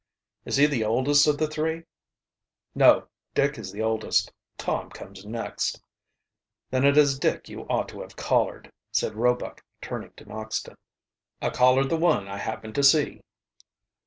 "Is he the oldest of the three?" "No, Dick is the oldest. Tom comes next." "Then it is Dick you ought to have collared," said Roebuck, turning to Noxton. "I collared the one I happened to see."